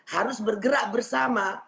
harus bergerak bersama